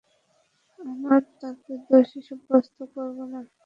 আমরা তাকে দোষী সাব্যস্ত করব না।